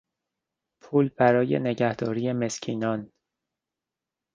پول برای نگهداری مسکینان